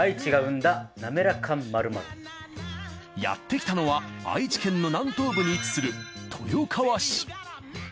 やってきたのは愛知県の南東部に位置する豊川市。